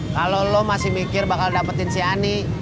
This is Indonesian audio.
kalau lo masih mikir bakal dapetin si ani